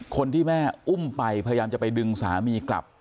คนที่แม่อุ้มไปพยายามจะไปดึงสามีกลับ